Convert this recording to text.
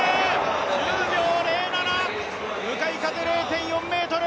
１０秒０７、向かい風０．４メートル。